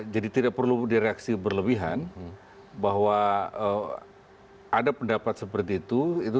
jadi tidak perlu direaksi berlebihan bahwa ada pendapat seperti itu